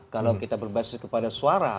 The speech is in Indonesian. kalau kita berbasis kepada suara